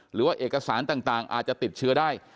หรือว่าเอกสารต่างอาจจะติดเชื้อได้